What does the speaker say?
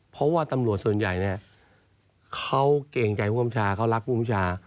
ก็นำจำหน่วดส่วนใหญ่เขาเกรงใจผู้ทรงประชาความรักเขา๑๙๑๙